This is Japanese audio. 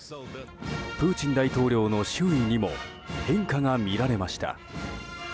プーチン大統領の周囲にも変化が見られました。